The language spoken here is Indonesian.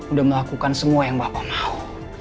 udah melakukan semua yang bapak mau